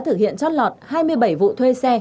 thực hiện chót lọt hai mươi bảy vụ thuê xe